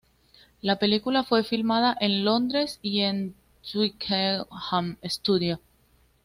La película fue filmada en Londres y en Twickenham Studios.